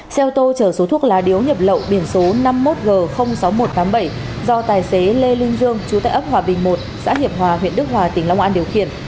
xe ô tô chở số thuốc lá điếu nhập lậu biển số năm mươi một g sáu nghìn một trăm tám mươi bảy do tài xế lê lương dương chú tại ấp hòa bình một xã hiệp hòa huyện đức hòa tỉnh long an điều khiển